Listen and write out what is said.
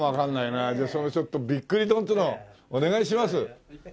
じゃあそのちょっとびっくり丼ってのお願いします。